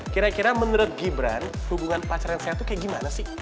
kira kira menurut gibran hubungan pacaran saya tuh kayak gimana sih